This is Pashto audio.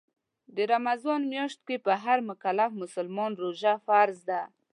د رمضان میاشت کې په هر مکلف مسلمان روژه فرض ده